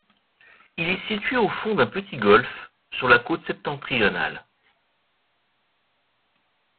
Il est situé au fond d’un petit golfe, sur la côte septentrionale.